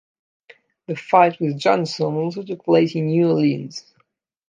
The fight with Johnson also took place in New Orleans.